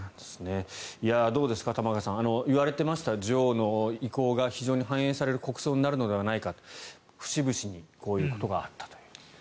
どうですか、玉川さん言われていました女王の意向が非常に反映される国葬になるのではないかと節々にこういうことがあったと。